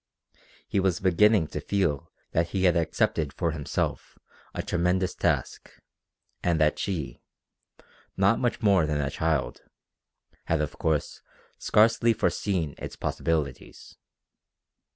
He was beginning to feel that he had accepted for himself a tremendous task, and that she, not much more than a child, had of course scarcely foreseen its possibilities.